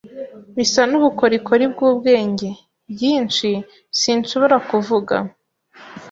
bisa n'ubukorikori bwubwenge; byinshi sinshobora kuvuga. ”